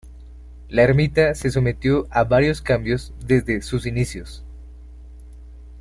La ermita se sometió a varios cambios desde sus inicios.